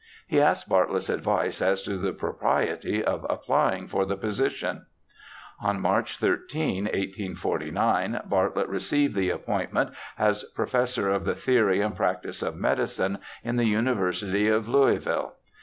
He asks Bartlett's advice as to the propriety of applying for the position. On March 13, 1849, Bartlett received the appointment as professor of the theory and practice of medicine in the University of Louisville.